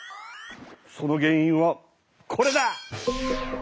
その原いんはこれだ！